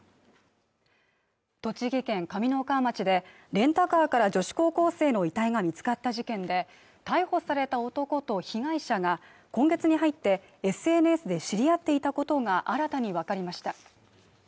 栃木県上三川町でレンタカーから女子高校生の遺体が見つかった事件で逮捕された男と被害者が今月に入ってＳＮＳで知り合っていたことが新たに分かりました